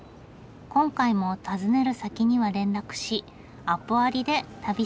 今回も訪ねる先には連絡しアポありで旅します。